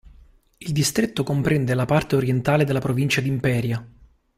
Il distretto comprende la parte orientale della provincia di Imperia.